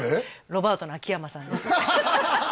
ロバートの秋山さんです